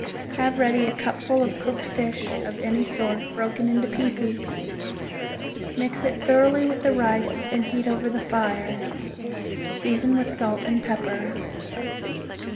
Have ready a cupful of cooked fish of any sort broken into pieces. Mix it thoroughly with the rice and heat over the fire; season with salt and pepper.